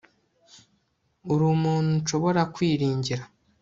uri umuntu nshobora kwiringira